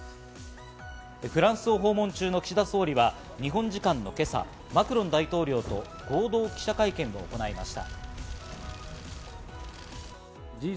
フランスを訪問中の岸田総理は日本時間の今朝、マクロン大統領と合同記者会見を行いました。